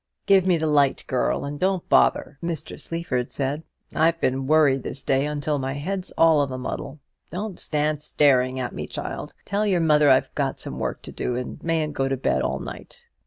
"Give me the light, girl, and don't bother!" Mr. Sleaford said. "I've been worried this day until my head's all of a muddle. Don't stand staring at me, child! Tell your mother I've got some work to do, and mayn't go to bed all night."